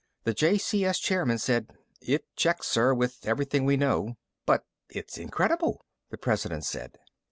The JCS chairman said, "It checks, sir, with everything we know." "But it's incredible!" the President said.